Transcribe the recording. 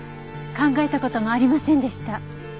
考えた事もありませんでした。